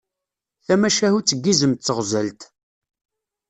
Tamacahut n yizem d teɣzalt.